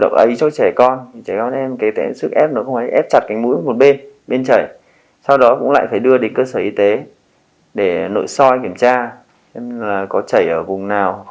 các bác sĩ kiểm tra là có chảy ở vùng mũi